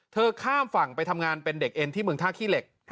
ข้ามฝั่งไปทำงานเป็นเด็กเอ็นที่เมืองท่าขี้เหล็ก